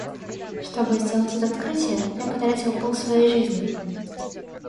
Чтобы сделать это открытие, я потратил пол своей жизни.